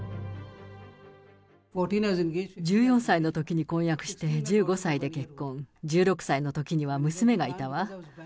１４歳のときに婚約して、１５歳で結婚、１６歳のときには娘がいたわ。